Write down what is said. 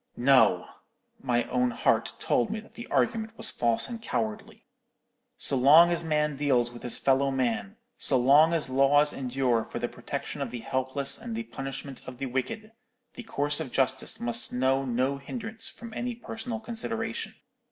"No! my own heart told me the argument was false and cowardly. So long as man deals with his fellow man, so long as laws endure for the protection of the helpless and the punishment of the wicked, the course of justice must know no hindrance from any personal consideration.